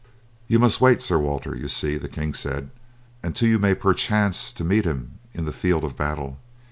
"You must wait, Sir Walter, you see," the king said, "until you may perchance meet him in the field of battle.